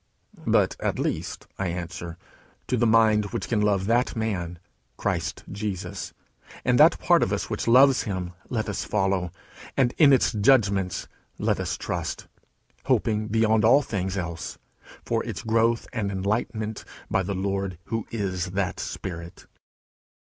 But at least, I answer, to the mind which can love that Man, Christ Jesus; and that part of us which loves him let us follow, and in its judgements let us trust; hoping, beyond all things else, for its growth and enlightenment by the Lord, who is that Spirit.